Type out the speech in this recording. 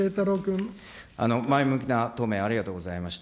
前向きな答弁、ありがとうございました。